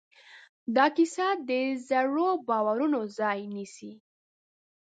دا کیسه د زړو باورونو ځای نيسي.